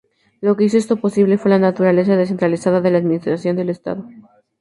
Lo que hizo esto posible fue la naturaleza descentralizada de la administración del estado.